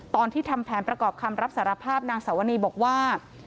ตอนที่ทำแผนประกอบคำรับสารภาพนางสาวนีบอกว่า